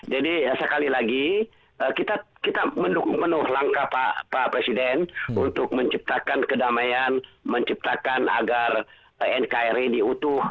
jadi sekali lagi kita mendukung langkah pak presiden untuk menciptakan kedamaian menciptakan agar nkri diutuh